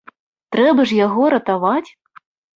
Трэба ж яго ратаваць!